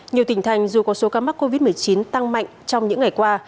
nhiều tỉnh thành dù có số ca mắc covid một mươi chín tăng mạnh trong những ngày qua